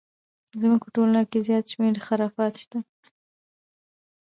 زموږ په ټولنه کې زیات شمیر خرافات شته!